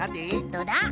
どうだ？